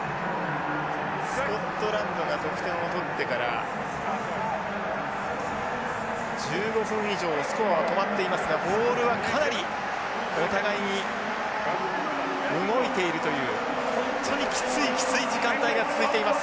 スコットランドが得点を取ってから１５分以上スコアは止まっていますがボールはかなりお互いに動いているという本当にきついきつい時間帯が続いています。